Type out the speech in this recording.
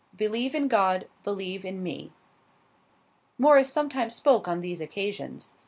"Believe in God; believe in me." Morris sometimes spoke on these occasions.